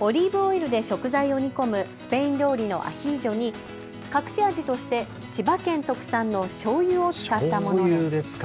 オリーブオイルで食材を煮込むスペイン料理のアヒージョに隠し味として千葉県特産のしょうゆを使ったものです。